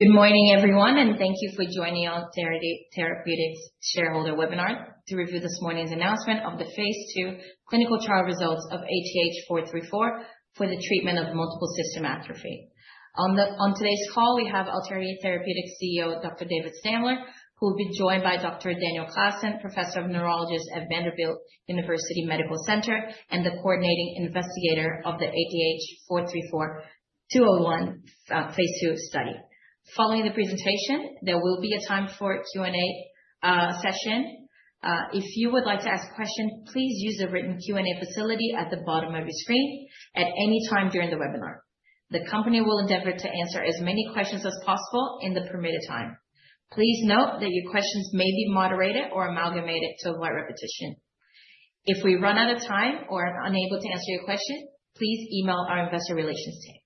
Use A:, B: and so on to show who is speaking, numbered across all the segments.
A: Good morning, everyone, and thank you for joining Alterity Therapeutics' shareholder webinar to review this morning's announcement of the phase II clinical trial results of ATH434 for the treatment of multiple system atrophy. On today's call, we have Alterity Therapeutics' CEO, Dr. David Stamler, who will be joined by Dr. Daniel Claassen, Professor of Neurology at Vanderbilt University Medical Center and the coordinating investigator of the ATH434-201 phase II study. Following the presentation, there will be a time for a Q&A session. If you would like to ask a question, please use the written Q&A facility at the bottom of your screen at any time during the webinar. The company will endeavor to answer as many questions as possible in the permitted time. Please note that your questions may be moderated or amalgamated to avoid repetition. If we run out of time or are unable to answer your question, please email our investor relations team.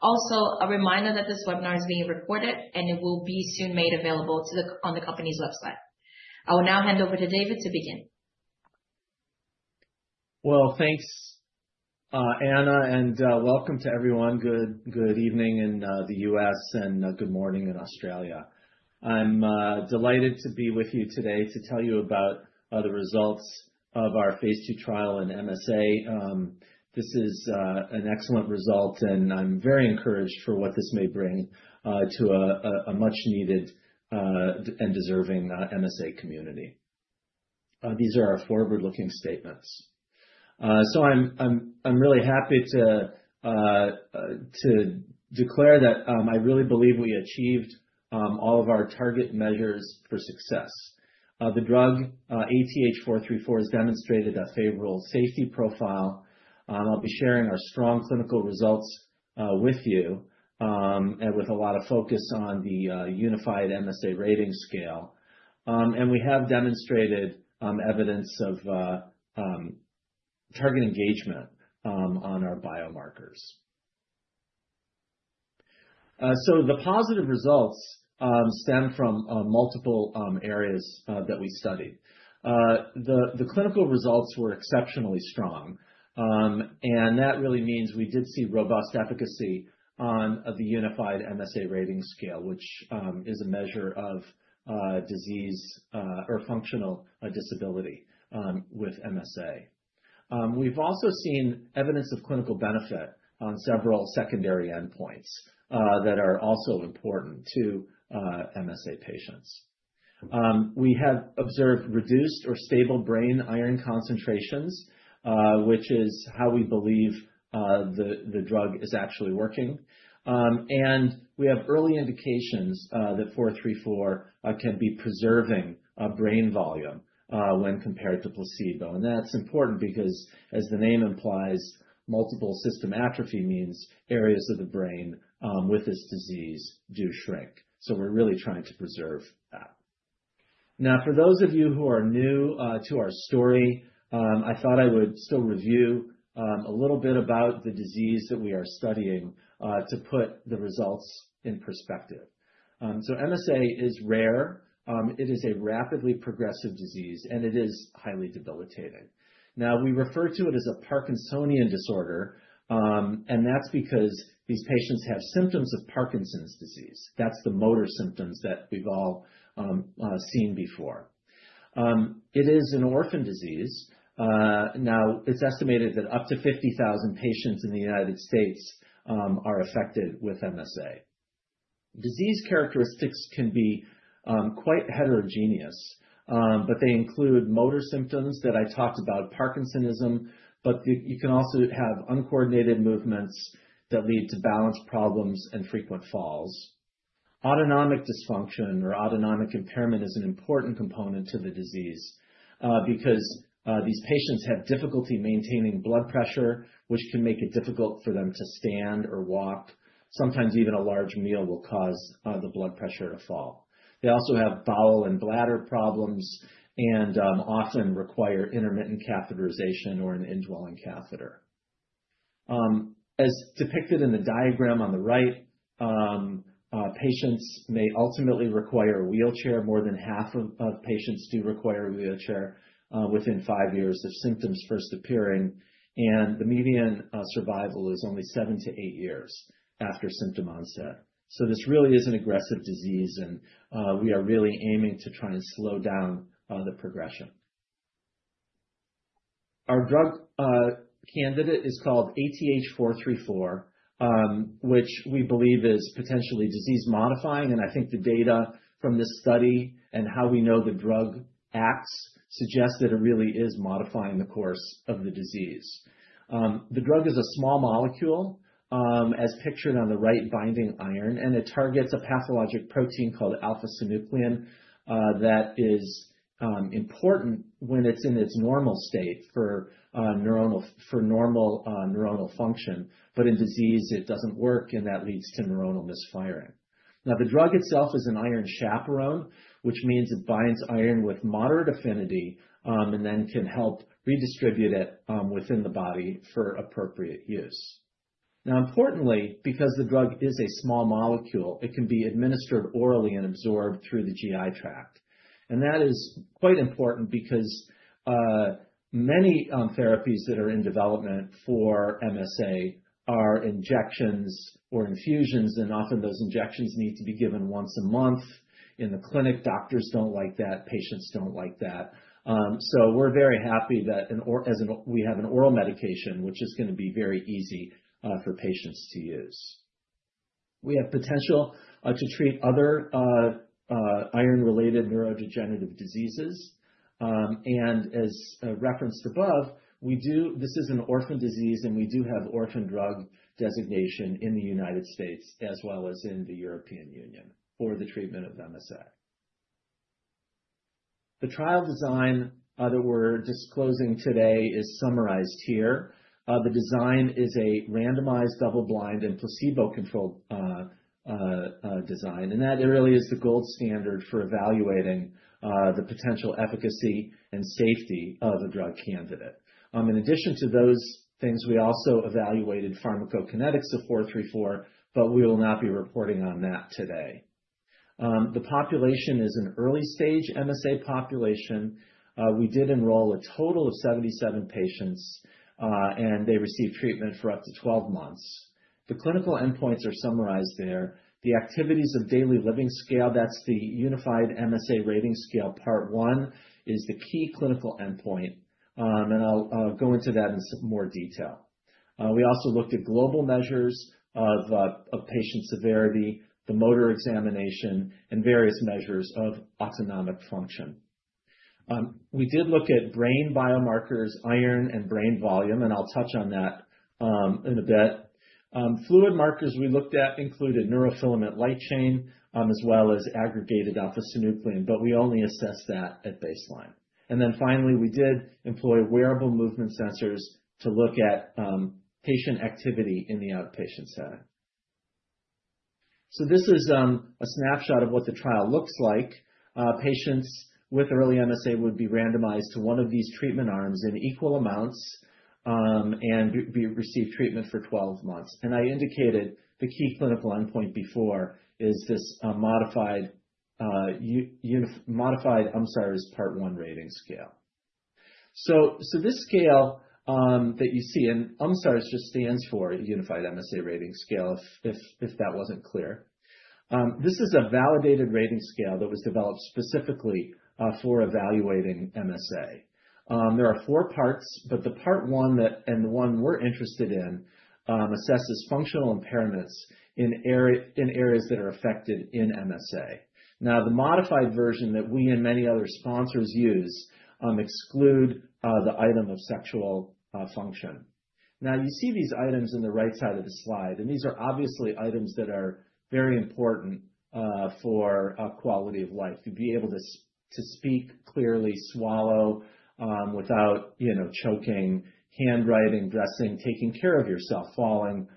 A: Also, a reminder that this webinar is being recorded and it will be soon made available on the company's website. I will now hand over to David to begin.
B: Thanks, Anna, and welcome to everyone. Good evening in the U.S. and good morning in Australia. I'm delighted to be with you today to tell you about the results of our phase II trial in MSA. This is an excellent result, and I'm very encouraged for what this may bring to a much-needed and deserving MSA community. These are our forward-looking statements. I'm really happy to declare that I really believe we achieved all of our target measures for success. The drug ATH434 has demonstrated a favorable safety profile. I'll be sharing our strong clinical results with you and with a lot of focus on the Unified MSA Rating Scale. We have demonstrated evidence of target engagement on our biomarkers. The positive results stem from multiple areas that we studied. The clinical results were exceptionally strong, and that really means we did see robust efficacy on the Unified MSA Rating Scale, which is a measure of disease or functional disability with MSA. We've also seen evidence of clinical benefit on several secondary endpoints that are also important to MSA patients. We have observed reduced or stable brain iron concentrations, which is how we believe the drug is actually working, and we have early indications that 434 can be preserving brain volume when compared to placebo, and that's important because, as the name implies, Multiple System Atrophy means areas of the brain with this disease do shrink, so we're really trying to preserve that. Now, for those of you who are new to our story, I thought I would still review a little bit about the disease that we are studying to put the results in perspective, so MSA is rare. It is a rapidly progressive disease, and it is highly debilitating. Now, we refer to it as a Parkinsonian disorder, and that's because these patients have symptoms of Parkinson's disease. That's the motor symptoms that we've all seen before. It is an orphan disease. Now, it's estimated that up to 50,000 patients in the United States are affected with MSA. Disease characteristics can be quite heterogeneous, but they include motor symptoms that I talked about, Parkinsonism, but you can also have uncoordinated movements that lead to balance problems and frequent falls. Autonomic dysfunction or autonomic impairment is an important component to the disease because these patients have difficulty maintaining blood pressure, which can make it difficult for them to stand or walk. Sometimes even a large meal will cause the blood pressure to fall. They also have bowel and bladder problems and often require intermittent catheterization or an indwelling catheter. As depicted in the diagram on the right, patients may ultimately require a wheelchair. More than half of patients do require a wheelchair within five years of symptoms first appearing, and the median survival is only seven to eight years after symptom onset, so this really is an aggressive disease, and we are really aiming to try and slow down the progression. Our drug candidate is called ATH434, which we believe is potentially disease-modifying, and I think the data from this study and how we know the drug acts suggest that it really is modifying the course of the disease. The drug is a small molecule, as pictured on the right, binding iron, and it targets a pathologic protein called alpha-synuclein that is important when it's in its normal state for normal neuronal function. But in disease, it doesn't work, and that leads to neuronal misfiring. Now, the drug itself is an iron chaperone, which means it binds iron with moderate affinity and then can help redistribute it within the body for appropriate use. Now, importantly, because the drug is a small molecule, it can be administered orally and absorbed through the GI tract, and that is quite important because many therapies that are in development for MSA are injections or infusions, and often those injections need to be given once a month in the clinic. Doctors don't like that. Patients don't like that, so we're very happy that we have an oral medication, which is going to be very easy for patients to use. We have potential to treat other iron-related neurodegenerative diseases, and as referenced above, this is an orphan disease, and we do have orphan drug designation in the United States as well as in the European Union for the treatment of MSA. The trial design that we're disclosing today is summarized here. The design is a randomized double-blind and placebo-controlled design, and that really is the gold standard for evaluating the potential efficacy and safety of a drug candidate. In addition to those things, we also evaluated pharmacokinetics of ATH434, but we will not be reporting on that today. The population is an early-stage MSA population. We did enroll a total of 77 patients, and they received treatment for up to 12 months. The clinical endpoints are summarized there. The activities of daily living scale, that's the Unified MSA Rating Scale Part One, is the key clinical endpoint, and I'll go into that in some more detail. We also looked at global measures of patient severity, the motor examination, and various measures of autonomic function. We did look at brain biomarkers, iron and brain volume, and I'll touch on that in a bit. Fluid markers we looked at included neurofilament light chain as well as aggregated alpha-synuclein, but we only assessed that at baseline. And then finally, we did employ wearable movement sensors to look at patient activity in the outpatient setting. So this is a snapshot of what the trial looks like. Patients with early MSA would be randomized to one of these treatment arms in equal amounts and receive treatment for 12 months. And I indicated the key clinical endpoint before is this modified, I'm sorry, is part one rating scale. So this scale that you see, and I'm sorry, it just stands for Unified MSA Rating Scale if that wasn't clear. This is a validated rating scale that was developed specifically for evaluating MSA. There are four parts, but the part one and the one we're interested in assesses functional impairments in areas that are affected in MSA. Now, the modified version that we and many other sponsors use exclude the item of sexual function. Now, you see these items on the right side of the slide, and these are obviously items that are very important for quality of life. To be able to speak clearly, swallow without choking, handwriting, dressing, taking care of yourself, falling,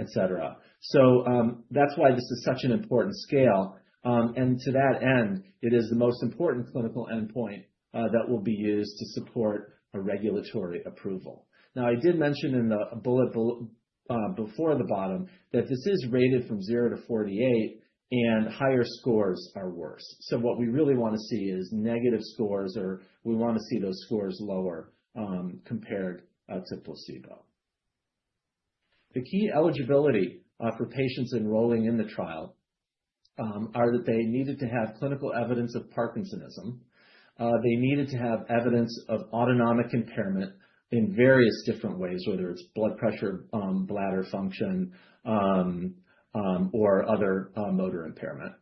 B: etc. So that's why this is such an important scale. And to that end, it is the most important clinical endpoint that will be used to support a regulatory approval. Now, I did mention in the bullet before the bottom that this is rated from 0 to 48, and higher scores are worse. What we really want to see is negative scores, or we want to see those scores lower compared to placebo. The key eligibility for patients enrolling in the trial is that they needed to have clinical evidence of Parkinsonism. They needed to have evidence of autonomic impairment in various different ways, whether it's blood pressure, bladder function, or other motor impairment.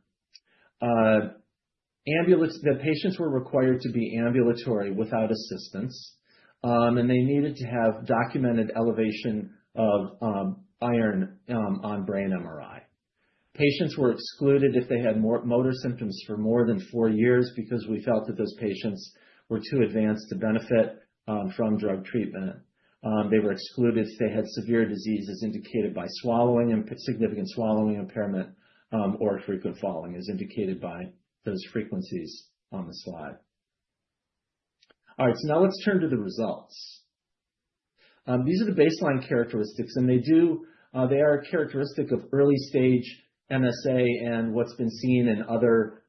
B: The patients were required to be ambulatory without assistance, and they needed to have documented elevation of iron on brain MRI. Patients were excluded if they had motor symptoms for more than four years because we felt that those patients were too advanced to benefit from drug treatment. They were excluded if they had severe disease as indicated by swallowing and significant swallowing impairment or frequent falling as indicated by those frequencies on the slide. All right, so now let's turn to the results. These are the baseline characteristics, and they are a characteristic of early-stage MSA and what's been seen in other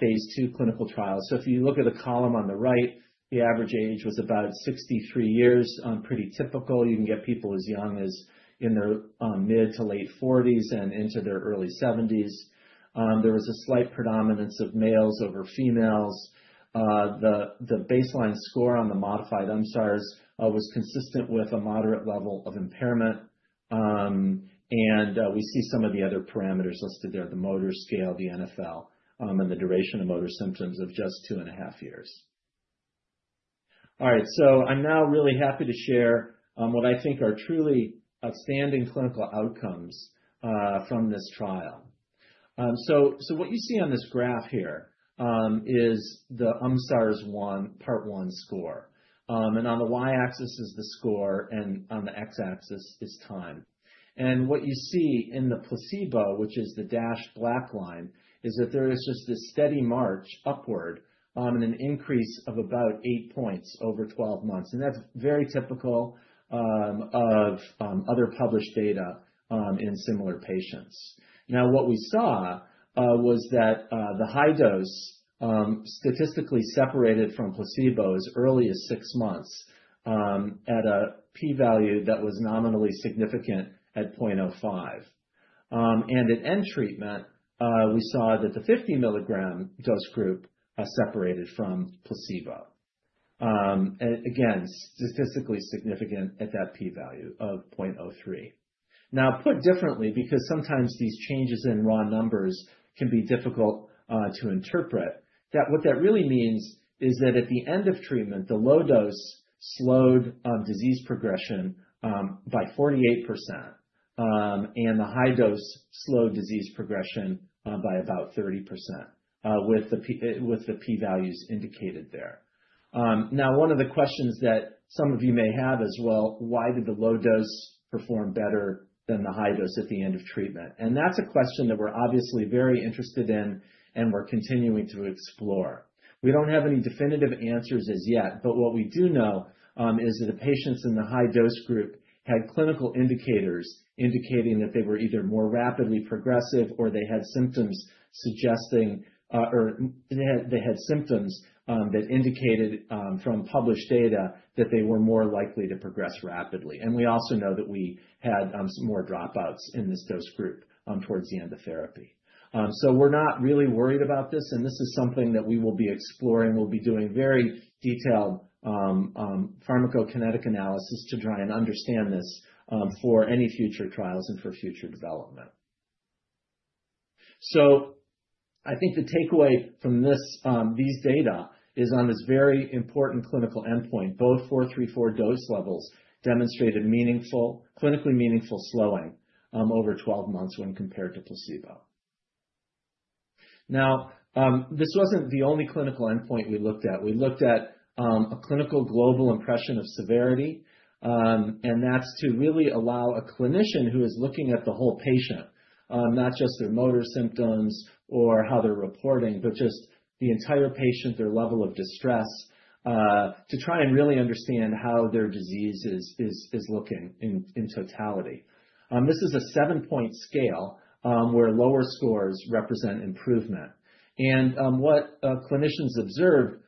B: phase II clinical trials, so if you look at the column on the right, the average age was about 63 years, pretty typical. You can get people as young as in their mid to late 40s and into their early 70s. There was a slight predominance of males over females. The baseline score on the modified UMSARS was consistent with a moderate level of impairment, and we see some of the other parameters listed there, the motor scale, the NfL, and the duration of motor symptoms of just two and a half years. All right, so I'm now really happy to share what I think are truly outstanding clinical outcomes from this trial, so what you see on this graph here is the UMSARS part one score. On the y-axis is the score, and on the x-axis is time. What you see in the placebo, which is the dashed black line, is that there is just this steady march upward and an increase of about eight points over 12 months. That's very typical of other published data in similar patients. Now, what we saw was that the high dose statistically separated from placebo as early as six months at a p-value that was nominally significant at 0.05. At end treatment, we saw that the 50 mg dose group separated from placebo. Again, statistically significant at that p-value of 0.03. Now, put differently, because sometimes these changes in raw numbers can be difficult to interpret, that what that really means is that at the end of treatment, the low dose slowed disease progression by 48%, and the high dose slowed disease progression by about 30% with the p-values indicated there. Now, one of the questions that some of you may have is, well, why did the low dose perform better than the high dose at the end of treatment? And that's a question that we're obviously very interested in and we're continuing to explore. We don't have any definitive answers as yet, but what we do know is that the patients in the high dose group had clinical indicators indicating that they were either more rapidly progressive or they had symptoms suggesting or they had symptoms that indicated from published data that they were more likely to progress rapidly. We also know that we had some more dropouts in this dose group towards the end of therapy. So we're not really worried about this, and this is something that we will be exploring. We'll be doing very detailed pharmacokinetic analysis to try and understand this for any future trials and for future development. So I think the takeaway from these data is on this very important clinical endpoint. Both 434 dose levels demonstrated clinically meaningful slowing over 12 months when compared to placebo. Now, this wasn't the only clinical endpoint we looked at. We looked at a clinical global impression of severity, and that's to really allow a clinician who is looking at the whole patient, not just their motor symptoms or how they're reporting, but just the entire patient, their level of distress, to try and really understand how their disease is looking in totality. This is a seven-point scale where lower scores represent improvement. And what clinicians observed,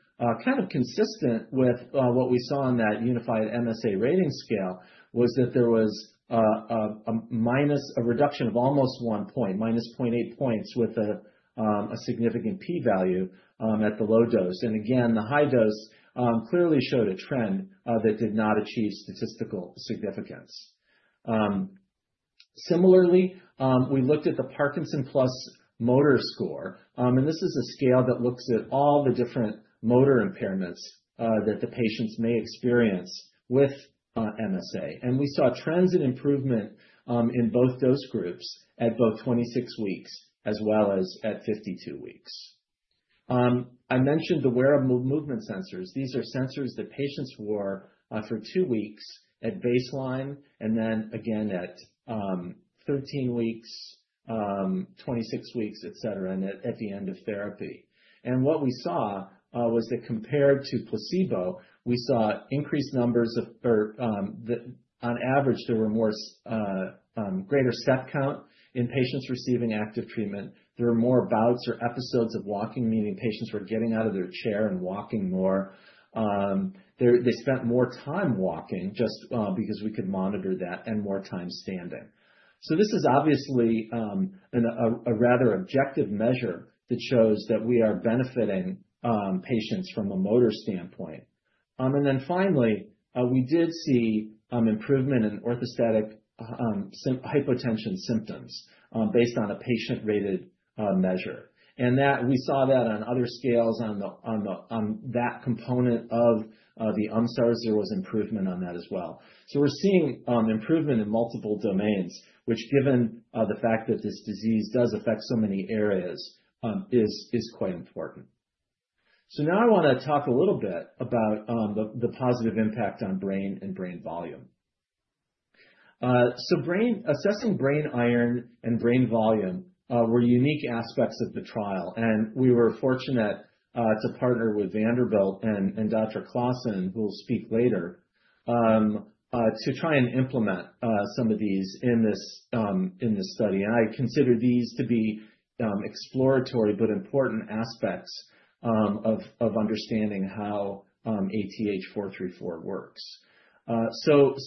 B: kind of consistent with what we saw on that Unified MSA Rating Scale, was that there was a reduction of almost one point, minus 0.8 points with a significant p-value at the low dose. And again, the high dose clearly showed a trend that did not achieve statistical significance. Similarly, we looked at the Parkinson Plus motor score, and this is a scale that looks at all the different motor impairments that the patients may experience with MSA. And we saw trends in improvement in both dose groups at both 26 weeks as well as at 52 weeks. I mentioned the wearable movement sensors. These are sensors that patients wore for two weeks at baseline and then again at 13 weeks, 26 weeks, etc., and at the end of therapy. What we saw was that compared to placebo, we saw increased numbers of, or on average, there were greater step count in patients receiving active treatment. There were more bouts or episodes of walking, meaning patients were getting out of their chair and walking more. They spent more time walking just because we could monitor that and more time standing. This is obviously a rather objective measure that shows that we are benefiting patients from a motor standpoint. Finally, we did see improvement in orthostatic hypotension symptoms based on a patient-rated measure. We saw that on other scales on that component of the UMSARS. There was improvement on that as well. We're seeing improvement in multiple domains, which, given the fact that this disease does affect so many areas, is quite important. So now I want to talk a little bit about the positive impact on brain and brain volume. Assessing brain iron and brain volume were unique aspects of the trial, and we were fortunate to partner with Vanderbilt and Dr. Claassen, who will speak later, to try and implement some of these in this study. I consider these to be exploratory but important aspects of understanding how ATH434 works. Assessing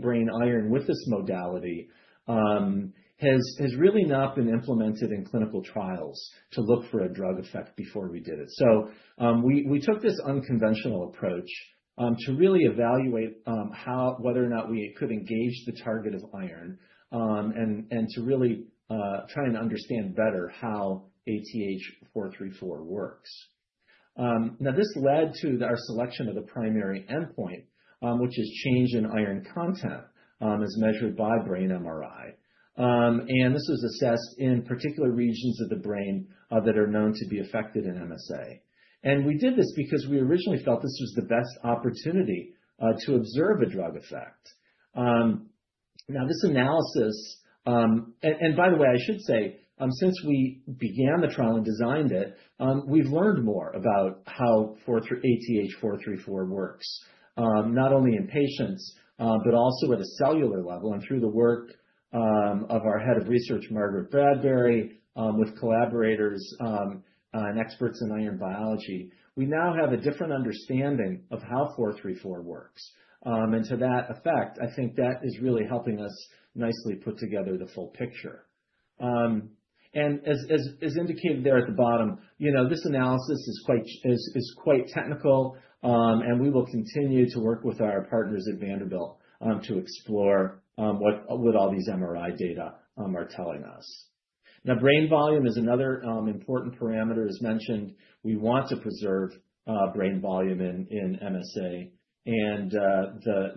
B: brain iron with this modality has really not been implemented in clinical trials to look for a drug effect before we did it. We took this unconventional approach to really evaluate whether or not we could engage the target of iron and to really try and understand better how ATH434 works. Now, this led to our selection of the primary endpoint, which is change in iron content as measured by brain MRI. And this was assessed in particular regions of the brain that are known to be affected in MSA. And we did this because we originally felt this was the best opportunity to observe a drug effect. Now, this analysis, and by the way, I should say, since we began the trial and designed it, we've learned more about how ATH434 works, not only in patients, but also at a cellular level. And through the work of our Head of Research, Margaret Bradbury, with collaborators and experts in iron biology, we now have a different understanding of how ATH434 works. And to that effect, I think that is really helping us nicely put together the full picture. And as indicated there at the bottom, this analysis is quite technical, and we will continue to work with our partners at Vanderbilt to explore what all these MRI data are telling us. Now, brain volume is another important parameter, as mentioned. We want to preserve brain volume in MSA, and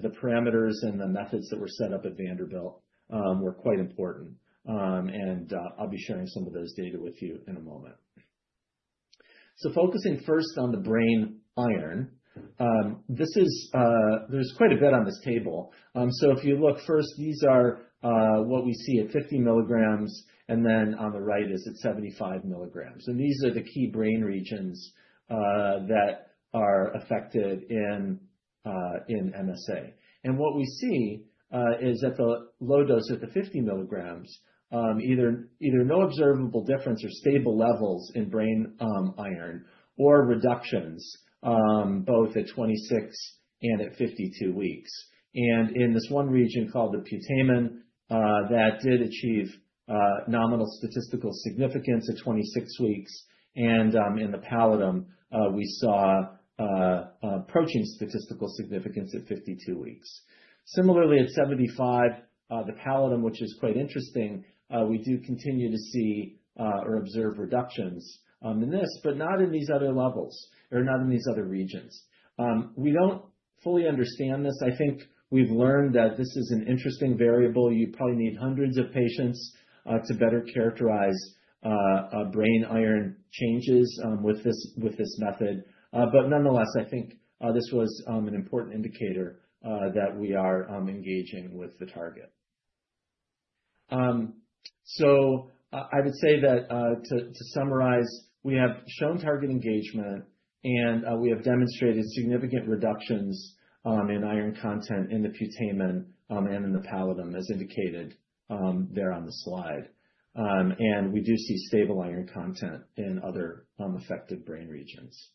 B: the parameters and the methods that were set up at Vanderbilt were quite important, and I'll be sharing some of those data with you in a moment, so focusing first on the brain iron, there's quite a bit on this table, so if you look first, these are what we see at 50 mg, and then on the right is at 75 mg, and these are the key brain regions that are affected in MSA, and what we see is at the low dose, at the 50 mg, either no observable difference or stable levels in brain iron or reductions, both at 26 and at 52 weeks, and in this one region called the putamen, that did achieve nominal statistical significance at 26 weeks. And in the pallidum, we saw approaching statistical significance at 52 weeks. Similarly, at 75, the pallidum, which is quite interesting, we do continue to see or observe reductions in this, but not in these other levels or not in these other regions. We don't fully understand this. I think we've learned that this is an interesting variable. You probably need hundreds of patients to better characterize brain iron changes with this method. But nonetheless, I think this was an important indicator that we are engaging with the target. So I would say that to summarize, we have shown target engagement, and we have demonstrated significant reductions in iron content in the putamen and in the pallidum, as indicated there on the slide. And we do see stable iron content in other affected brain regions.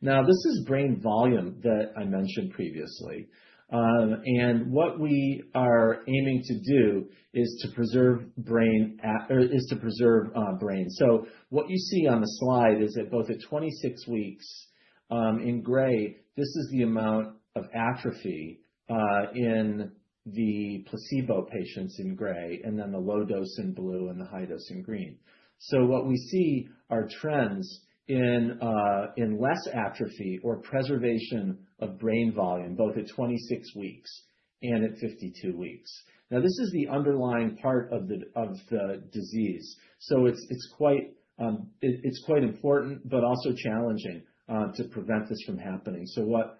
B: Now, this is brain volume that I mentioned previously. What we are aiming to do is to preserve brain. What you see on the slide is that both at 26 weeks in gray, this is the amount of atrophy in the placebo patients in gray, and then the low dose in blue and the high dose in green. What we see are trends in less atrophy or preservation of brain volume, both at 26 weeks and at 52 weeks. Now, this is the underlying part of the disease. It's quite important, but also challenging to prevent this from happening. What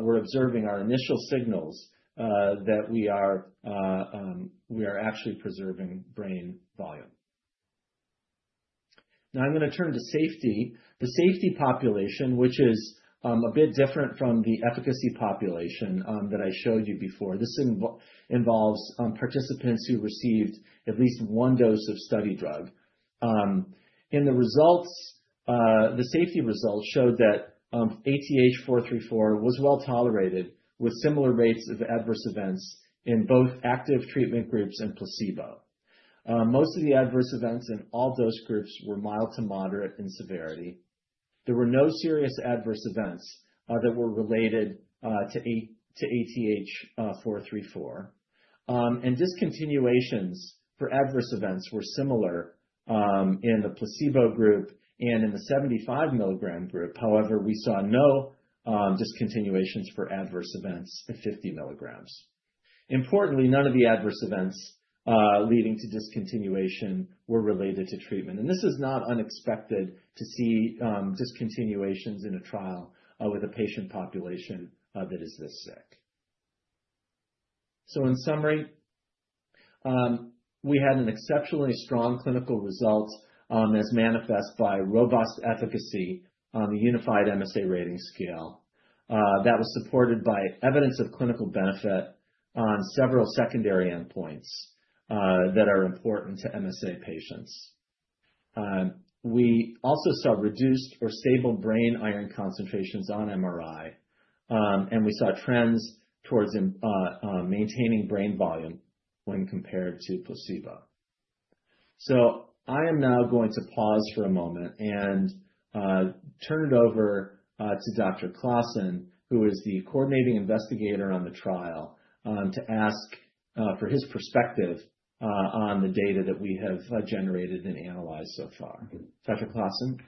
B: we're observing are initial signals that we are actually preserving brain volume. Now, I'm going to turn to safety. The safety population, which is a bit different from the efficacy population that I showed you before, this involves participants who received at least one dose of study drug. In the results, the safety results showed that ATH434 was well tolerated with similar rates of adverse events in both active treatment groups and placebo. Most of the adverse events in all dose groups were mild to moderate in severity. There were no serious adverse events that were related to ATH434. And discontinuations for adverse events were similar in the placebo group and in the 75 mg group. However, we saw no discontinuations for adverse events at 50 mg. Importantly, none of the adverse events leading to discontinuation were related to treatment. And this is not unexpected to see discontinuations in a trial with a patient population that is this sick. So in summary, we had an exceptionally strong clinical result as manifest by robust efficacy on the Unified MSA Rating Scale that was supported by evidence of clinical benefit on several secondary endpoints that are important to MSA patients. We also saw reduced or stable brain iron concentrations on MRI, and we saw trends towards maintaining brain volume when compared to placebo. So I am now going to pause for a moment and turn it over to Dr. Claassen, who is the coordinating investigator on the trial, to ask for his perspective on the data that we have generated and analyzed so far. Dr. Claassen.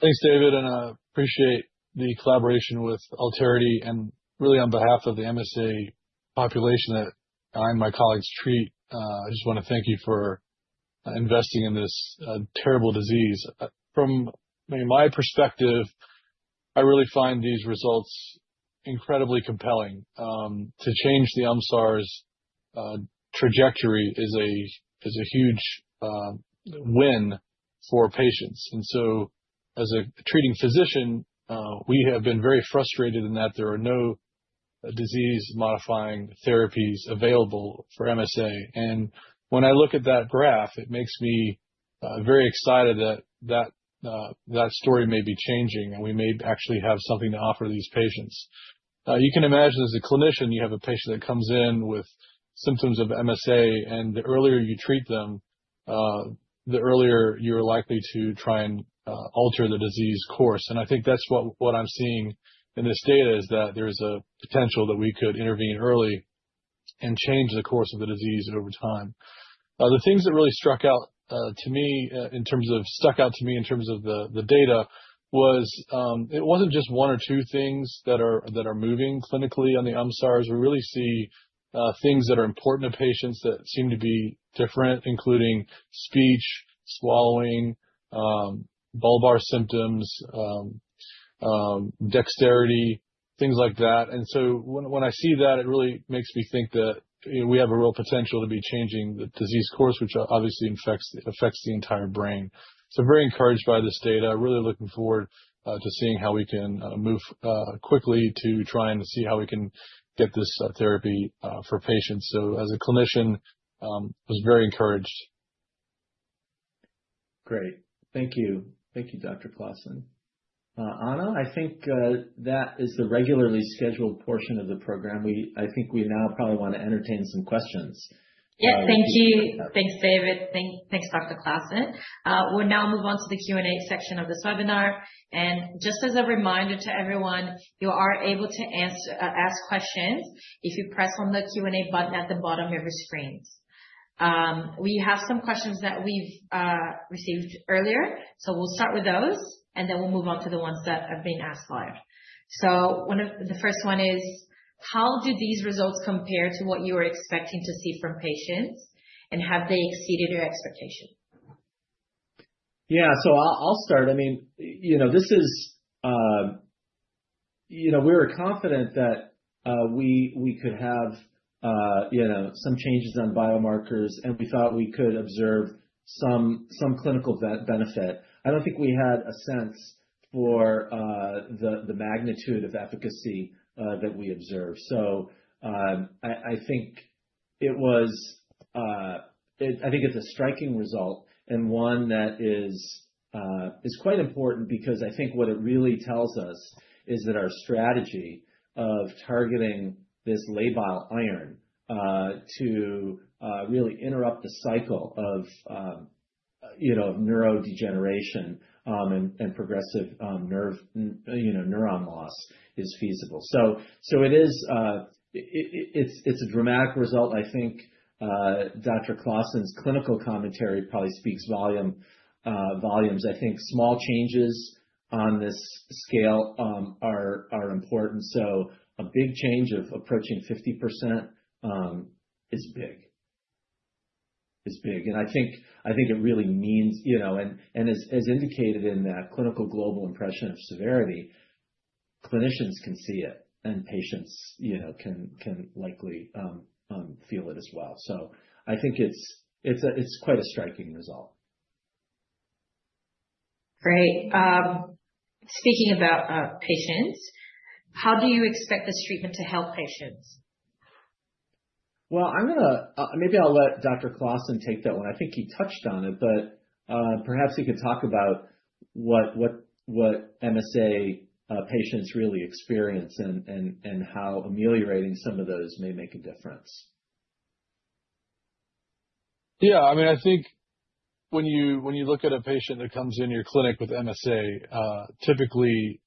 C: Thanks, David, and I appreciate the collaboration with Alterity and really on behalf of the MSA population that I and my colleagues treat. I just want to thank you for investing in this terrible disease. From my perspective, I really find these results incredibly compelling. To change the UMSARS trajectory is a huge win for patients. And so as a treating physician, we have been very frustrated in that there are no disease-modifying therapies available for MSA. And when I look at that graph, it makes me very excited that that story may be changing and we may actually have something to offer these patients. You can imagine as a clinician, you have a patient that comes in with symptoms of MSA, and the earlier you treat them, the earlier you are likely to try and alter the disease course. I think that's what I'm seeing in this data is that there is a potential that we could intervene early and change the course of the disease over time. The things that really struck out to me in terms of the data was it wasn't just one or two things that are moving clinically on the UMSARS. We really see things that are important to patients that seem to be different, including speech, swallowing, bulbar symptoms, dexterity, things like that. And so when I see that, it really makes me think that we have a real potential to be changing the disease course, which obviously affects the entire brain, so very encouraged by this data. Really looking forward to seeing how we can move quickly to try and see how we can get this therapy for patients. So as a clinician, I was very encouraged.
B: Great. Thank you. Thank you, Dr. Claassen. Anna, I think that is the regularly scheduled portion of the program. I think we now probably want to entertain some questions.
A: Yes, thank you. Thanks, David. Thanks, Dr. Claassen. We'll now move on to the Q&A section of this webinar. And just as a reminder to everyone, you are able to ask questions if you press on the Q&A button at the bottom of your screens. We have some questions that we've received earlier, so we'll start with those, and then we'll move on to the ones that have been asked live. So the first one is, how do these results compare to what you were expecting to see from patients, and have they exceeded your expectation?
B: Yeah, so I'll start. I mean, we were confident that we could have some changes on biomarkers, and we thought we could observe some clinical benefit. I don't think we had a sense for the magnitude of efficacy that we observed. I think it's a striking result and one that is quite important because I think what it really tells us is that our strategy of targeting this labile iron to really interrupt the cycle of neurodegeneration and progressive neuron loss is feasible. So it's a dramatic result. I think Dr. Claassen's clinical commentary probably speaks volumes. I think small changes on this scale are important. So a big change of approaching 50% is big. It's big. I think it really means, and as indicated in that Clinical Global Impression of Severity, clinicians can see it, and patients can likely feel it as well. I think it's quite a striking result.
A: Great. Speaking about patients, how do you expect this treatment to help patients?
B: Maybe I'll let Dr. Claassen take that one. I think he touched on it, but perhaps he could talk about what MSA patients really experience and how ameliorating some of those may make a difference.
C: Yeah, I mean, I think when you look at a patient that comes in your clinic with MSA, typically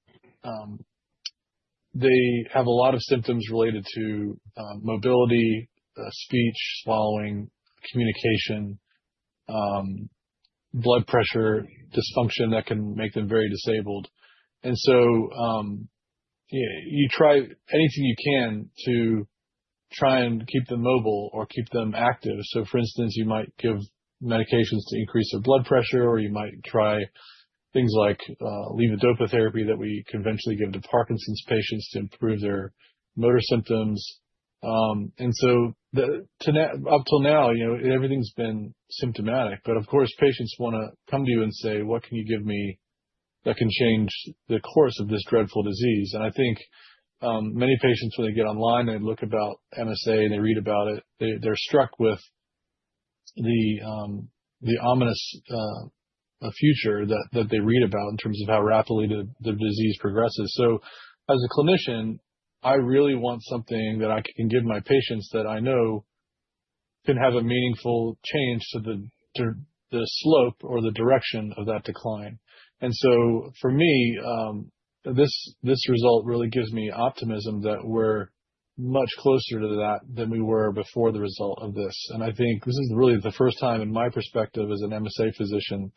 C: they have a lot of symptoms related to mobility, speech, swallowing, communication, blood pressure dysfunction that can make them very disabled. And so you try anything you can to try and keep them mobile or keep them active. So for instance, you might give medications to increase their blood pressure, or you might try things like levodopa therapy that we could eventually give to Parkinson's patients to improve their motor symptoms. And so up till now, everything's been symptomatic. But of course, patients want to come to you and say, "What can you give me that can change the course of this dreadful disease?" And I think many patients, when they get online, they look about MSA and they read about it, they're struck with the ominous future that they read about in terms of how rapidly the disease progresses. So as a clinician, I really want something that I can give my patients that I know can have a meaningful change to the slope or the direction of that decline. And so for me, this result really gives me optimism that we're much closer to that than we were before the result of this. And I think this is really the first time, in my perspective as an MSA physician,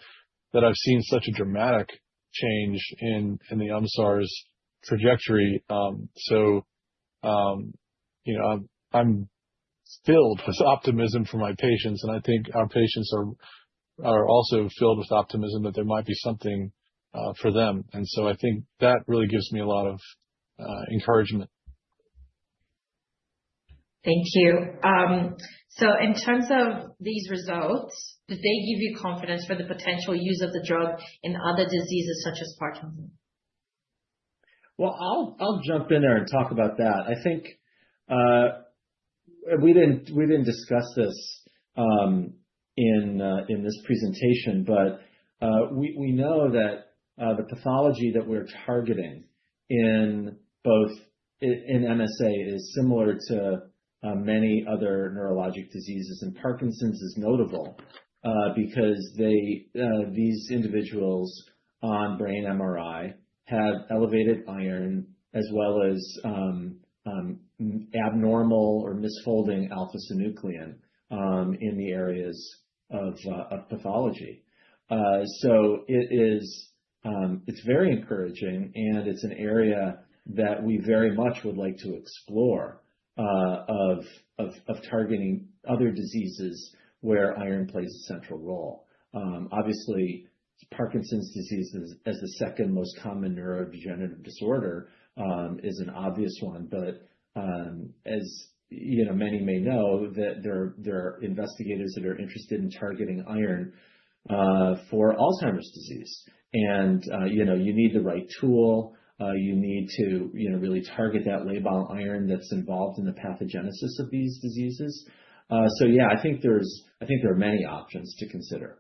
C: that I've seen such a dramatic change in the UMSARS trajectory. So I'm filled with optimism for my patients, and I think our patients are also filled with optimism that there might be something for them. And so I think that really gives me a lot of encouragement.
A: Thank you. So in terms of these results, do they give you confidence for the potential use of the drug in other diseases such as Parkinson's?
B: I'll jump in there and talk about that. I think we didn't discuss this in this presentation, but we know that the pathology that we're targeting in MSA is similar to many other neurologic diseases, and Parkinson's is notable because these individuals on brain MRI have elevated iron as well as abnormal or misfolding alpha-synuclein in the areas of pathology. It's very encouraging, and it's an area that we very much would like to explore of targeting other diseases where iron plays a central role. Obviously, Parkinson's disease as the second most common neurodegenerative disorder is an obvious one, but as many may know, there are investigators that are interested in targeting iron for Alzheimer's disease, and you need the right tool. You need to really target that labile iron that's involved in the pathogenesis of these diseases, so yeah, I think there are many options to consider.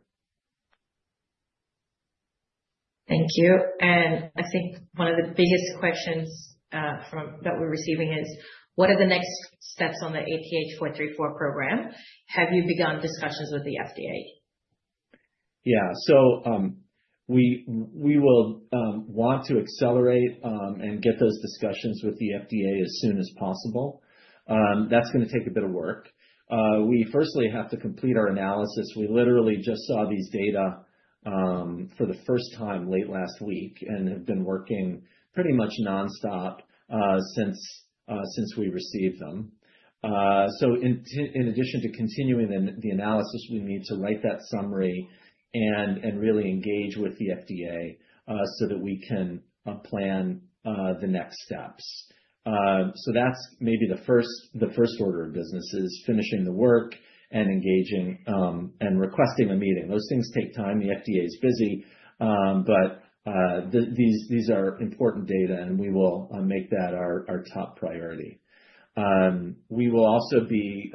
A: Thank you. And I think one of the biggest questions that we're receiving is, what are the next steps on the ATH434 program? Have you begun discussions with the FDA?
B: Yeah. So we will want to accelerate and get those discussions with the FDA as soon as possible. That's going to take a bit of work. We firstly have to complete our analysis. We literally just saw these data for the first time late last week and have been working pretty much nonstop since we received them. So in addition to continuing the analysis, we need to write that summary and really engage with the FDA so that we can plan the next steps. So that's maybe the first order of business is finishing the work and engaging and requesting a meeting. Those things take time. The FDA is busy, but these are important data, and we will make that our top priority. We will also be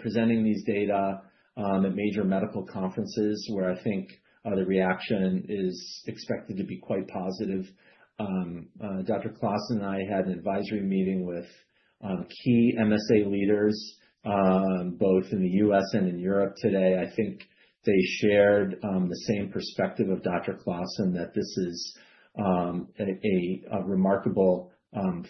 B: presenting these data at major medical conferences where I think the reaction is expected to be quite positive. Dr. Claassen and I had an advisory meeting with key MSA leaders both in the U.S. and in Europe today. I think they shared the same perspective of Dr. Claassen that this is a remarkable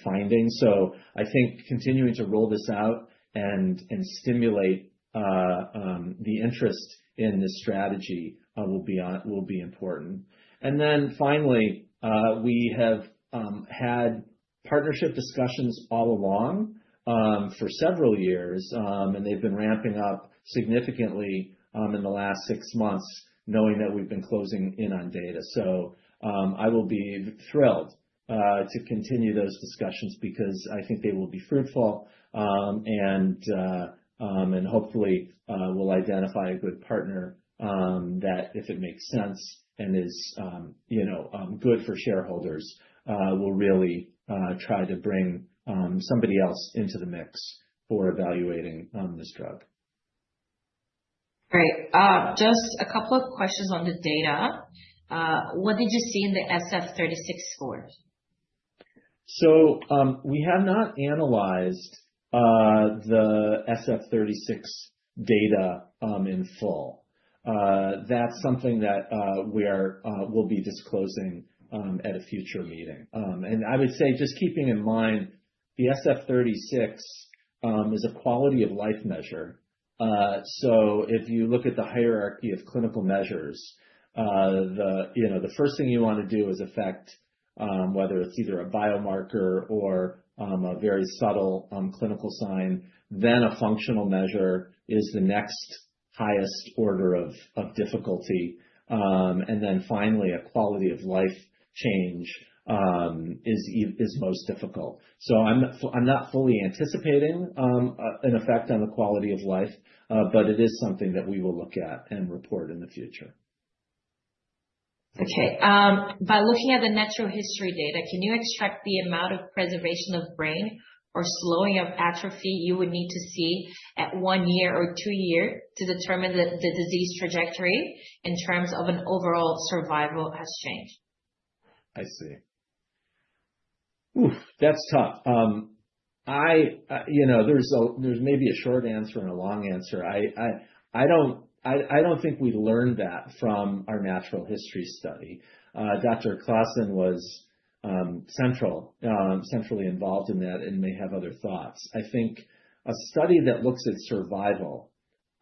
B: finding. So I think continuing to roll this out and stimulate the interest in this strategy will be important. And then finally, we have had partnership discussions all along for several years, and they've been ramping up significantly in the last six months knowing that we've been closing in on data. So I will be thrilled to continue those discussions because I think they will be fruitful and hopefully will identify a good partner that, if it makes sense and is good for shareholders, will really try to bring somebody else into the mix for evaluating this drug.
A: Great. Just a couple of questions on the data. What did you see in the SF-36 scores?
B: We have not analyzed the SF-36 data in full. That's something that we will be disclosing at a future meeting. And I would say just keeping in mind, the SF-36 is a quality of life measure. So if you look at the hierarchy of clinical measures, the first thing you want to do is affect whether it's either a biomarker or a very subtle clinical sign. Then a functional measure is the next highest order of difficulty. And then finally, a quality of life change is most difficult. So I'm not fully anticipating an effect on the quality of life, but it is something that we will look at and report in the future.
A: Okay. By looking at the natural history data, can you extract the amount of preservation of brain or slowing of atrophy you would need to see at one year or two years to determine the disease trajectory in terms of an overall survival has changed?
B: I see. Oof, that's tough. There's maybe a short answer and a long answer. I don't think we learned that from our natural history study. Dr. Claassen was centrally involved in that and may have other thoughts. I think a study that looks at survival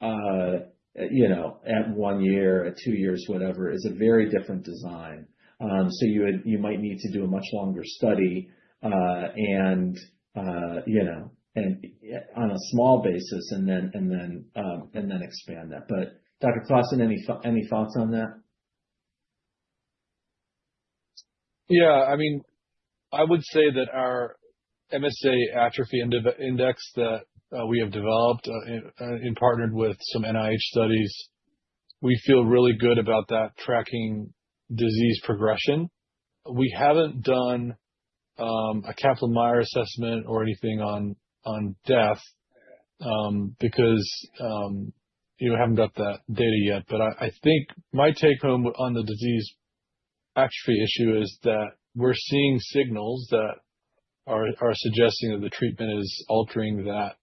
B: at one year, at two years, whatever, is a very different design. So you might need to do a much longer study on a small basis and then expand that. But Dr. Claassen, any thoughts on that?
C: Yeah. I mean, I would say that our MSA Atrophy Index that we have developed in partnership with some NIH studies, we feel really good about that tracking disease progression. We haven't done a Kaplan-Meier assessment or anything on death because we haven't got that data yet. But I think my take home on the disease atrophy issue is that we're seeing signals that are suggesting that the treatment is altering that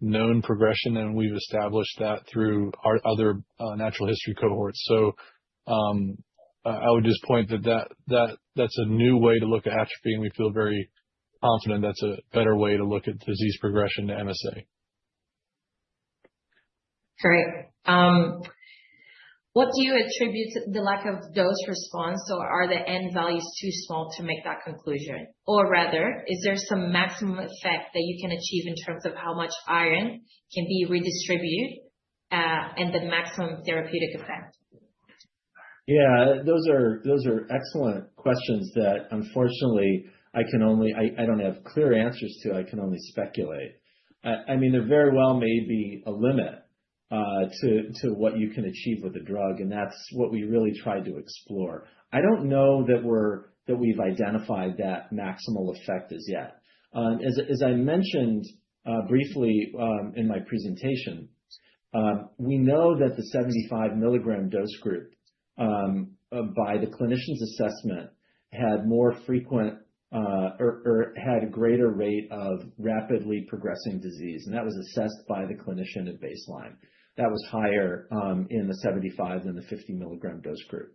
C: known progression, and we've established that through our other natural history cohorts. So I would just point that that's a new way to look at atrophy, and we feel very confident that's a better way to look at disease progression to MSA.
A: Great. What do you attribute the lack of dose response? So are the end values too small to make that conclusion? Or rather, is there some maximum effect that you can achieve in terms of how much iron can be redistributed and the maximum therapeutic effect?
B: Yeah, those are excellent questions that unfortunately I don't have clear answers to. I can only speculate. I mean, there very well may be a limit to what you can achieve with a drug, and that's what we really tried to explore. I don't know that we've identified that maximal effect as yet. As I mentioned briefly in my presentation, we know that the 75 mg dose group by the clinician's assessment had more frequent or had a greater rate of rapidly progressing disease, and that was assessed by the clinician at baseline. That was higher in the 75 than the 50 mg dose group,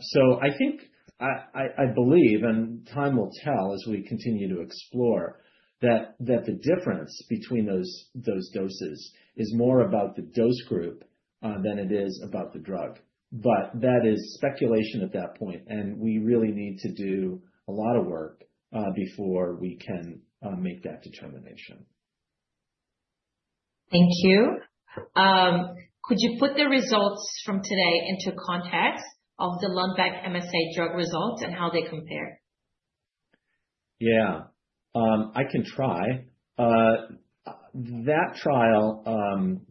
B: so I believe, and time will tell as we continue to explore, that the difference between those doses is more about the dose group than it is about the drug. But that is speculation at that point, and we really need to do a lot of work before we can make that determination.
A: Thank you. Could you put the results from today into context of the Lundbeck MSA drug results and how they compare?
B: Yeah, I can try. That trial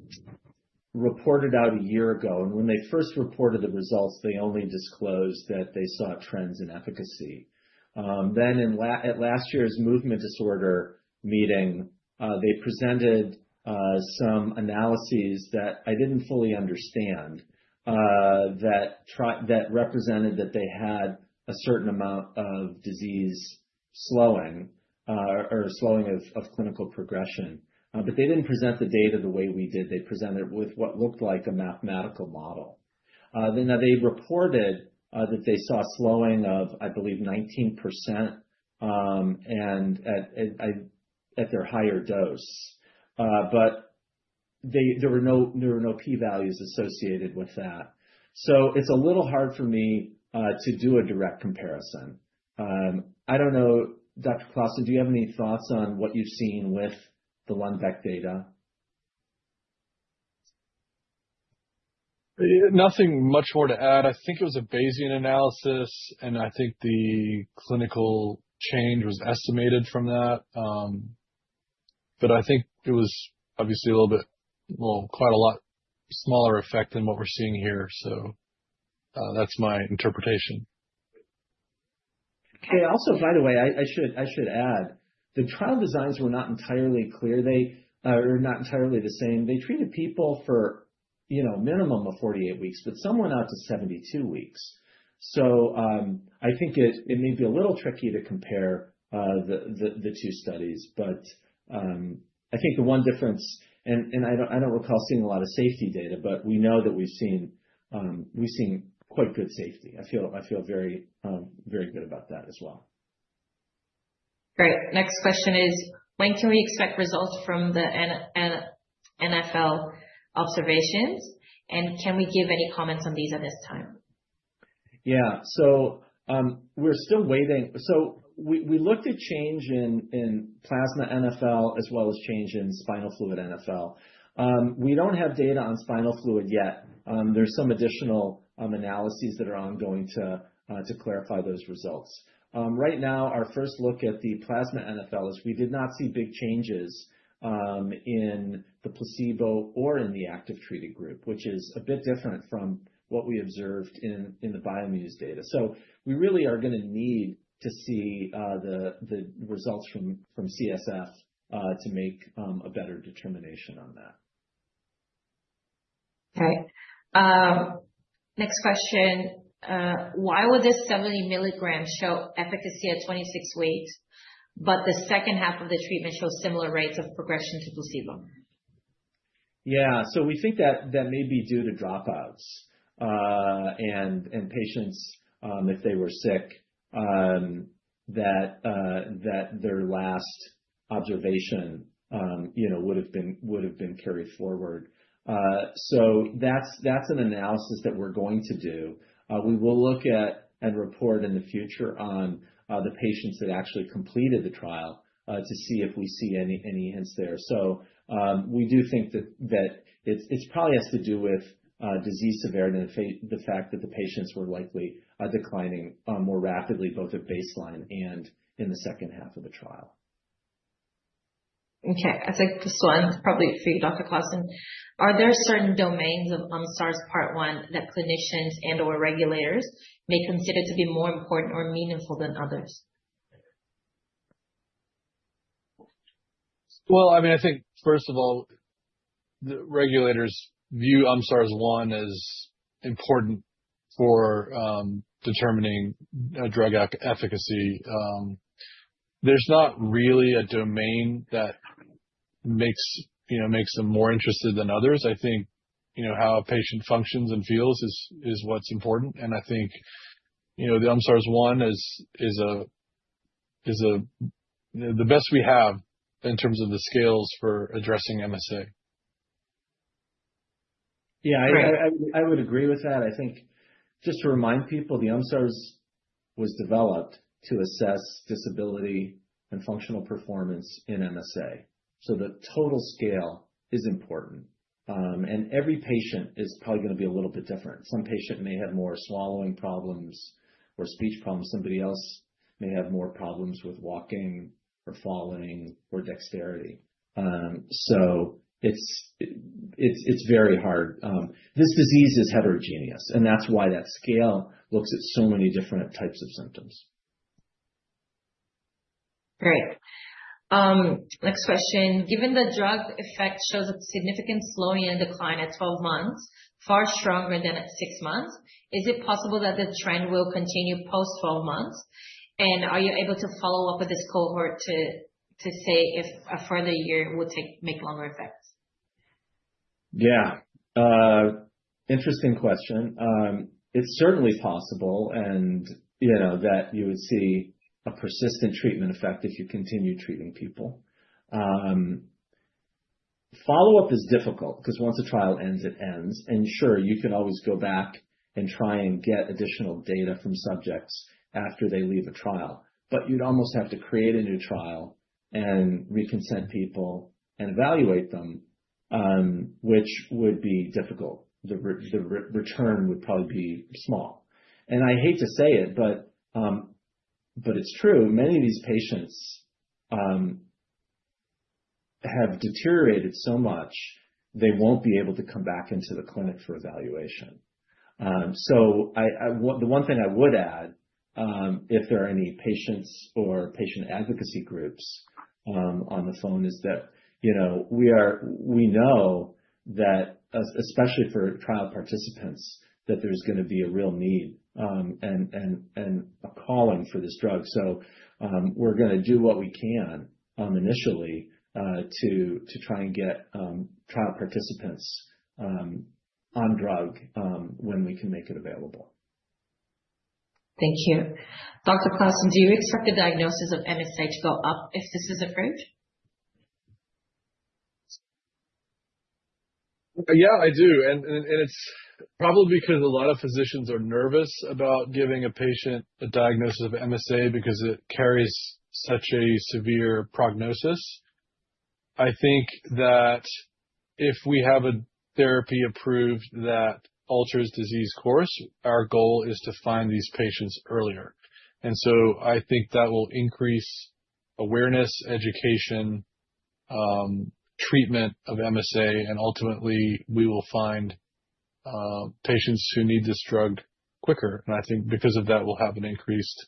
B: reported out a year ago, and when they first reported the results, they only disclosed that they saw trends in efficacy. Then at last year's movement disorder meeting, they presented some analyses that I didn't fully understand that represented that they had a certain amount of disease slowing or slowing of clinical progression. But they didn't present the data the way we did. They presented with what looked like a mathematical model. Now, they reported that they saw slowing of, I believe, 19% at their higher dose. But there were no p-values associated with that. So it's a little hard for me to do a direct comparison. I don't know, Dr. Claassen, do you have any thoughts on what you've seen with the Lundbeck data?
C: Nothing much more to add. I think it was a Bayesian analysis, and I think the clinical change was estimated from that. But I think it was obviously a little bit, well, quite a lot smaller effect than what we're seeing here. So that's my interpretation.
B: Okay. Also, by the way, I should add, the trial designs were not entirely clear. They are not entirely the same. They treated people for a minimum of 48 weeks, but some went out to 72 weeks. So I think it may be a little tricky to compare the two studies. But I think the one difference, and I don't recall seeing a lot of safety data, but we know that we've seen quite good safety. I feel very good about that as well.
A: Great. Next question is, when can we expect results from the NfL observations? And can we give any comments on these at this time?
B: Yeah. So we're still waiting. So we looked at change in plasma NfL as well as change in spinal fluid NfL. We don't have data on spinal fluid yet. There's some additional analyses that are ongoing to clarify those results. Right now, our first look at the plasma NfL is we did not see big changes in the placebo or in the active treated group, which is a bit different from what we observed in the BioMUSE data. So we really are going to need to see the results from CSF to make a better determination on that.
A: Okay. Next question. Why would this 70 mg show efficacy at 26 weeks, but the second half of the treatment shows similar rates of progression to placebo?
B: Yeah, so we think that may be due to dropouts, and patients, if they were sick, that their last observation would have been carried forward, so that's an analysis that we're going to do. We will look at and report in the future on the patients that actually completed the trial to see if we see any hints there, so we do think that it probably has to do with disease severity and the fact that the patients were likely declining more rapidly, both at baseline and in the second half of the trial.
A: Okay. I think this one is probably for you, Dr. Claassen. Are there certain domains of UMSARS Part I that clinicians and or regulators may consider to be more important or meaningful than others?
C: I mean, I think, first of all, the regulators view UMSARS I as important for determining drug efficacy. There's not really a domain that makes them more interested than others. I think how a patient functions and feels is what's important. I think the UMSARS I is the best we have in terms of the scales for addressing MSA.
B: Yeah, I would agree with that. I think just to remind people, the UMSARS was developed to assess disability and functional performance in MSA. So the total scale is important, and every patient is probably going to be a little bit different. Some patients may have more swallowing problems or speech problems. Somebody else may have more problems with walking or falling or dexterity, so it's very hard. This disease is heterogeneous, and that's why that scale looks at so many different types of symptoms.
A: Great. Next question. Given the drug effect shows a significant slowing and decline at 12 months, far stronger than at 6 months, is it possible that the trend will continue post-12 months? And are you able to follow up with this cohort to say if a further year will make longer effect?
B: Yeah. Interesting question. It's certainly possible that you would see a persistent treatment effect if you continue treating people. Follow-up is difficult because once a trial ends, it ends, and sure, you can always go back and try and get additional data from subjects after they leave a trial, but you'd almost have to create a new trial and reconsent people and evaluate them, which would be difficult. The return would probably be small, and I hate to say it, but it's true. Many of these patients have deteriorated so much, they won't be able to come back into the clinic for evaluation, so the one thing I would add, if there are any patients or patient advocacy groups on the phone, is that we know that, especially for trial participants, that there's going to be a real need and a calling for this drug. So we're going to do what we can initially to try and get trial participants on drug when we can make it available.
A: Thank you. Dr. Claassen, do you expect the diagnosis of MSA to go up if this is approved?
C: Yeah, I do. And it's probably because a lot of physicians are nervous about giving a patient a diagnosis of MSA because it carries such a severe prognosis. I think that if we have a therapy approved that alters disease course, our goal is to find these patients earlier. And so I think that will increase awareness, education, treatment of MSA, and ultimately, we will find patients who need this drug quicker. And I think because of that, we'll have an increased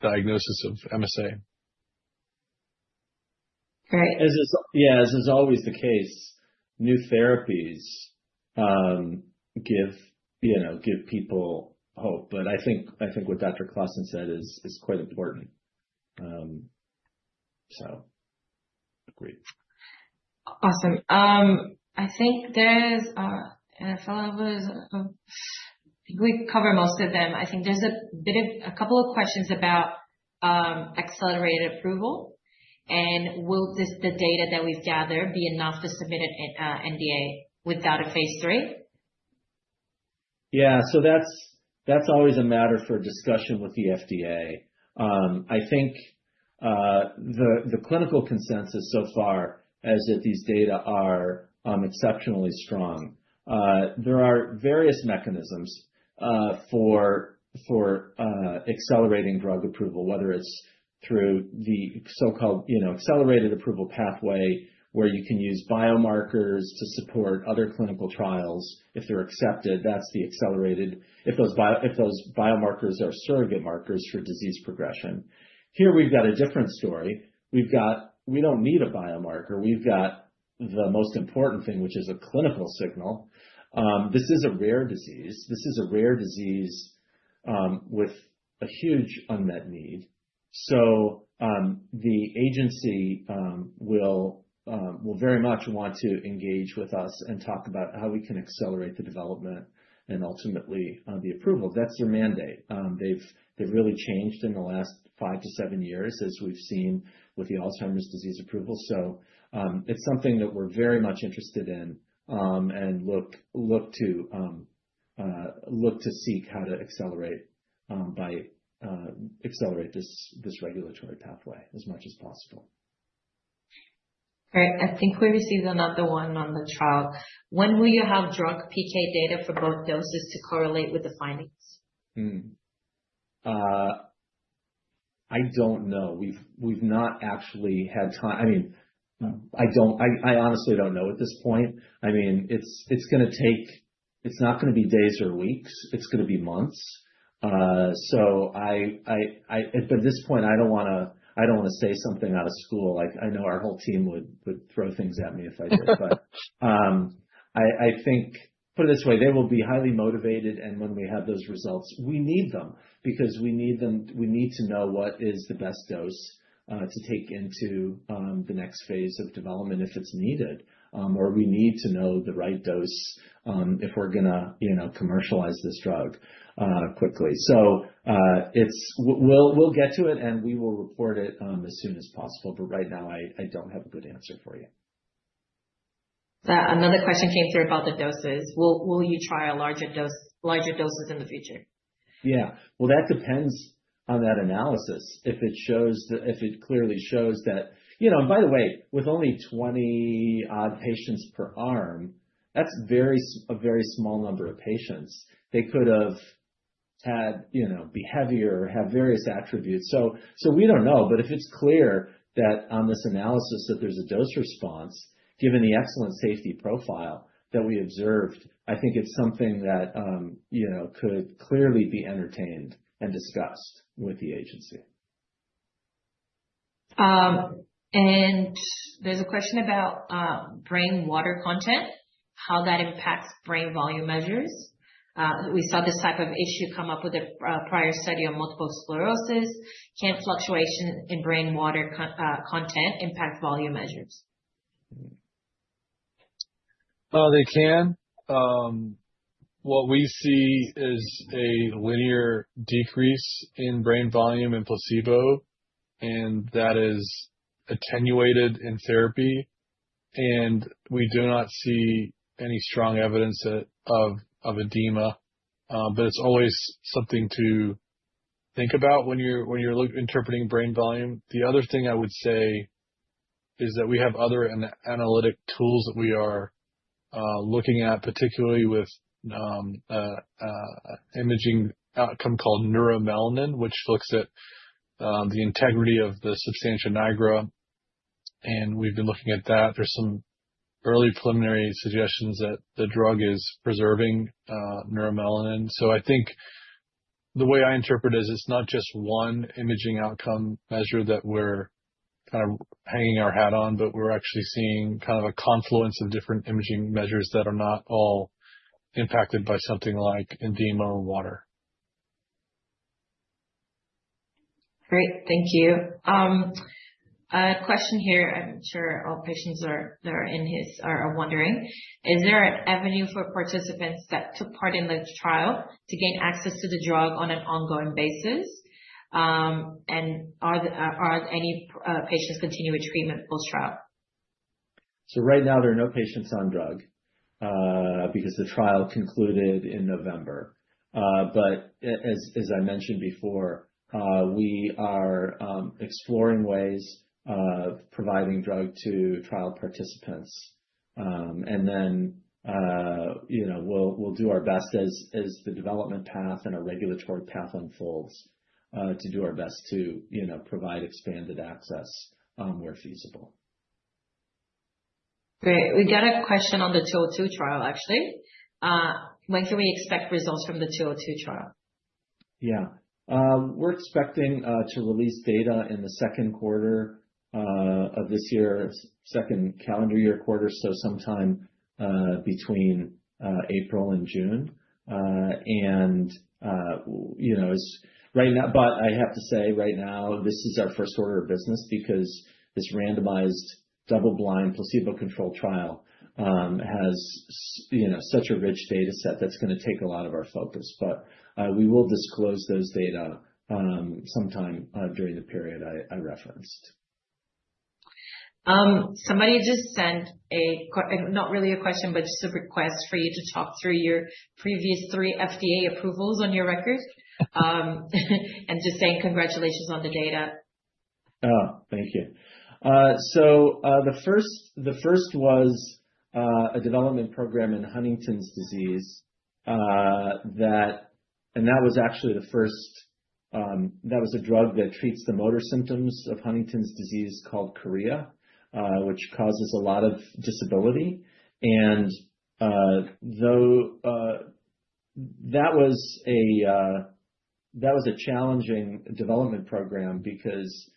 C: diagnosis of MSA.
A: Great.
B: Yeah, as is always the case, new therapies give people hope. But I think what Dr. Claassen said is quite important, so.
C: Agreed.
A: Awesome. I think there's NfL, I believe. I think we covered most of them. I think there's a couple of questions about accelerated approval and will the data that we've gathered be enough to submit an NDA without a phase III?
B: Yeah. So that's always a matter for discussion with the FDA. I think the clinical consensus so far is that these data are exceptionally strong. There are various mechanisms for accelerating drug approval, whether it's through the so-called accelerated approval pathway where you can use biomarkers to support other clinical trials if they're accepted. That's the accelerated if those biomarkers are surrogate markers for disease progression. Here, we've got a different story. We don't need a biomarker. We've got the most important thing, which is a clinical signal. This is a rare disease. This is a rare disease with a huge unmet need. So the agency will very much want to engage with us and talk about how we can accelerate the development and ultimately the approval. That's their mandate. They've really changed in the last five to seven years, as we've seen with the Alzheimer's disease approval. It's something that we're very much interested in and look to seek how to accelerate this regulatory pathway as much as possible.
A: Great. I think we received another one on the trial. When will you have drug PK data for both doses to correlate with the findings?
B: I don't know. We've not actually had time. I mean, I honestly don't know at this point. I mean, it's going to take. It's not going to be days or weeks. It's going to be months. So at this point, I don't want to say something out of school. I know our whole team would throw things at me if I did. But I think, put it this way, they will be highly motivated. And when we have those results, we need them because we need to know what is the best dose to take into the next phase of development if it's needed, or we need to know the right dose if we're going to commercialize this drug quickly. So we'll get to it, and we will report it as soon as possible. But right now, I don't have a good answer for you.
A: Another question came through about the doses. Will you try larger doses in the future?
B: Yeah. Well, that depends on that analysis. If it clearly shows that and by the way, with only 20 patients per arm, that's a very small number of patients. They could have been heavier or have various attributes. So we don't know. But if it's clear that on this analysis that there's a dose response, given the excellent safety profile that we observed, I think it's something that could clearly be entertained and discussed with the agency.
A: There's a question about brain water content, how that impacts brain volume measures. We saw this type of issue come up with a prior study on multiple sclerosis. Can fluctuation in brain water content impact volume measures?
C: They can. What we see is a linear decrease in brain volume and placebo, and that is attenuated in therapy. We do not see any strong evidence of edema. It's always something to think about when you're interpreting brain volume. The other thing I would say is that we have other analytic tools that we are looking at, particularly with an imaging outcome called neuromelanin, which looks at the integrity of the substantia nigra. We've been looking at that. There's some early preliminary suggestions that the drug is preserving neuromelanin. I think the way I interpret it is it's not just one imaging outcome measure that we're kind of hanging our hat on, but we're actually seeing kind of a confluence of different imaging measures that are not all impacted by something like edema or water.
A: Great. Thank you. A question here. I'm sure all patients that are in here are wondering. Is there an avenue for participants that took part in the trial to gain access to the drug on an ongoing basis? And are any patients continuing treatment post-trial?
B: Right now, there are no patients on drug because the trial concluded in November. As I mentioned before, we are exploring ways of providing drug to trial participants. We'll do our best as the development path and a regulatory path unfolds to do our best to provide expanded access where feasible.
A: Great. We got a question on the 202 trial, actually. When can we expect results from the 202 trial?
B: Yeah. We're expecting to release data in the second quarter of this year, second calendar year quarter, so sometime between April and June, and right now, but I have to say, right now, this is our first order of business because this randomized double-blind placebo-controlled trial has such a rich data set that's going to take a lot of our focus, but we will disclose those data sometime during the period I referenced.
A: Somebody just sent a not really a question, but just a request for you to talk through your previous three FDA approvals on your record and just saying congratulations on the data.
B: Oh, thank you. So the first was a development program in Huntington's disease. And that was actually the first that was a drug that treats the motor symptoms of Huntington's disease called chorea, which causes a lot of disability. And that was a challenging development program because,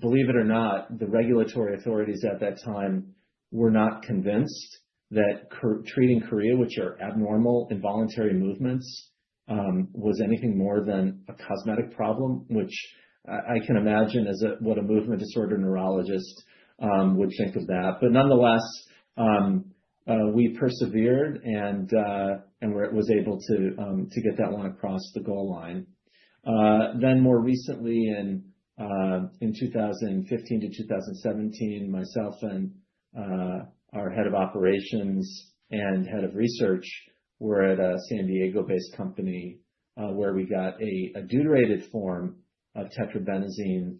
B: believe it or not, the regulatory authorities at that time were not convinced that treating chorea, which are abnormal involuntary movements, was anything more than a cosmetic problem, which I can imagine as what a movement disorder neurologist would think of that. But nonetheless, we persevered and were able to get that one across the goal line. Then more recently, in 2015 to 2017, myself and our head of operations and head of research were at a San Diego-based company where we got a deuterated form of tetrabenazine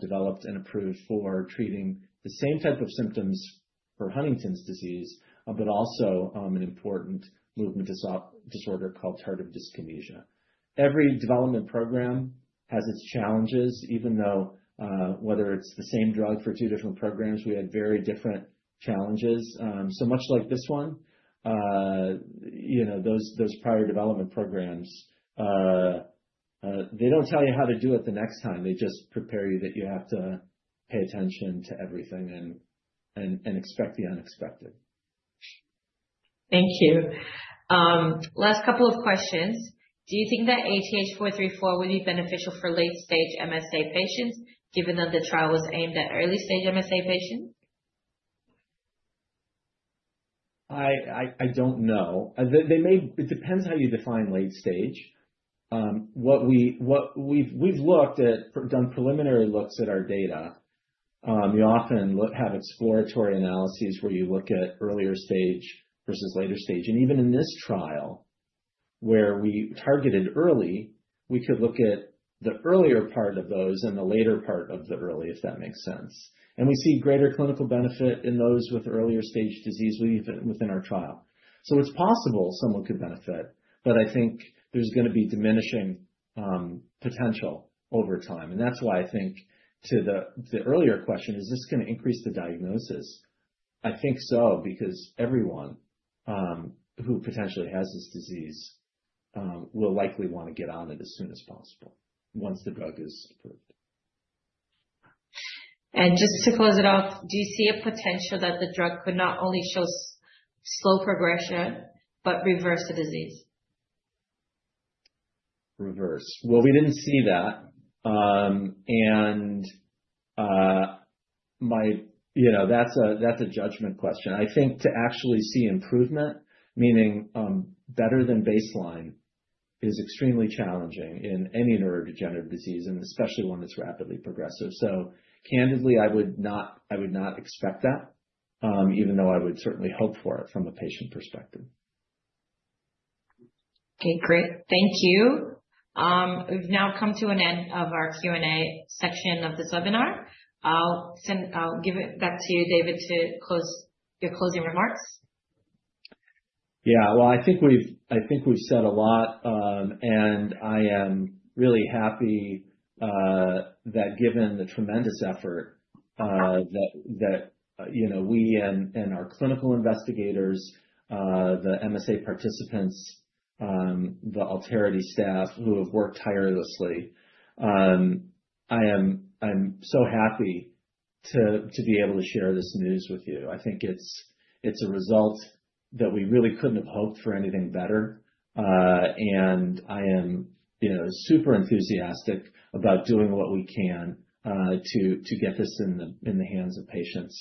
B: developed and approved for treating the same type of symptoms for Huntington's disease, but also an important movement disorder called tardive dyskinesia. Every development program has its challenges, even though whether it's the same drug for two different programs, we had very different challenges. So much like this one, those prior development programs, they don't tell you how to do it the next time. They just prepare you that you have to pay attention to everything and expect the unexpected.
A: Thank you. Last couple of questions. Do you think that ATH434 would be beneficial for late-stage MSA patients given that the trial was aimed at early-stage MSA patients?
B: I don't know. It depends how you define late-stage. We've done preliminary looks at our data. You often have exploratory analyses where you look at earlier stage versus later stage, and even in this trial where we targeted early, we could look at the earlier part of those and the later part of the early, if that makes sense. We see greater clinical benefit in those with earlier stage disease within our trial, so it's possible someone could benefit, but I think there's going to be diminishing potential over time, and that's why I think to the earlier question, is this going to increase the diagnosis? I think so because everyone who potentially has this disease will likely want to get on it as soon as possible once the drug is approved.
A: Just to close it off, do you see a potential that the drug could not only show slow progression but reverse the disease?
B: Well, we didn't see that. And that's a judgment question. I think to actually see improvement, meaning better than baseline, is extremely challenging in any neurodegenerative disease, and especially one that's rapidly progressive. So candidly, I would not expect that, even though I would certainly hope for it from a patient perspective.
A: Okay. Great. Thank you. We've now come to an end of our Q&A section of this webinar. I'll give it back to you, David, to close your closing remarks.
B: Yeah. Well, I think we've said a lot. And I am really happy that, given the tremendous effort that we and our clinical investigators, the MSA participants, the Alterity staff who have worked tirelessly, I am so happy to be able to share this news with you. I think it's a result that we really couldn't have hoped for anything better. And I am super enthusiastic about doing what we can to get this in the hands of patients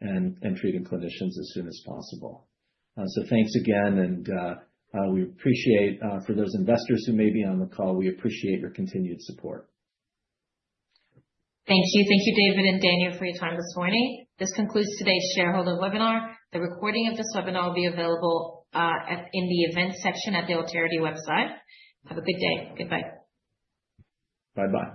B: and treating clinicians as soon as possible. So thanks again. And we appreciate for those investors who may be on the call, we appreciate your continued support.
A: Thank you. Thank you, David and Daniel, for your time this morning. This concludes today's shareholder webinar. The recording of this webinar will be available in the events section at the Alterity website. Have a good day. Goodbye.
B: Bye-bye.